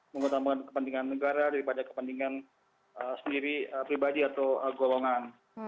mengutamakan kepentingan negara daripada kepentingan sendiri pribadi atau golongan